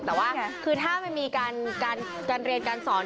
แต่ว่าคือถ้ามันมีการเรียนการสอน